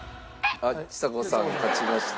ちさ子さん勝ちました。